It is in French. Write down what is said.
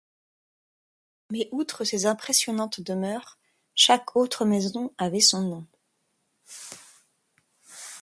Mais outre ces impressionnantes demeures, chaque autre maison avait son nom.